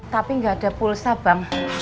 tapi nggak ada pulsa bang